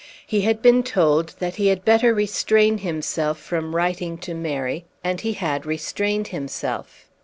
He had been told that he had better restrain himself from writing to Mary, and he had restrained himself.